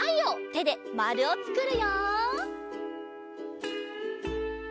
てでまるをつくるよ。